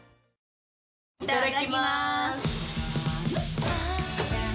いただきます！